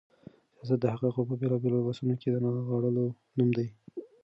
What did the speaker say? سياست د حقايقو په بېلابېلو لباسونو کې د نغاړلو نوم دی.